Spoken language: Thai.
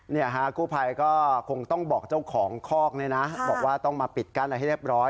เนี่ยฮะกู้ไผ่ก็คงต้องบอกเจ้าของคอกนะบอกว่าต้องมาปิดกันให้เรียบร้อย